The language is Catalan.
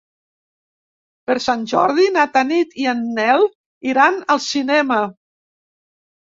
Per Sant Jordi na Tanit i en Nel iran al cinema.